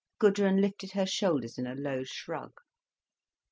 Gudrun lifted her shoulders in a low shrug.